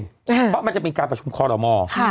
เพราะมันจะเป็นการประชุมคอลโลมอร์